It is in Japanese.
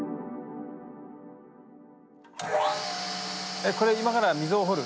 えこれ今から溝を彫る？